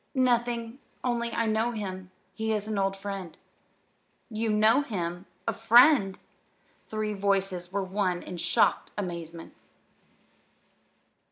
"Nothing, only I know him. He is an old friend." "You know him! a friend!" The three voices were one in shocked amazement.